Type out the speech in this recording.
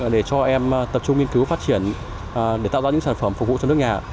để cho em tập trung nghiên cứu phát triển để tạo ra những sản phẩm phục vụ cho nước nhà